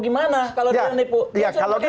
gimana kalau dia nipu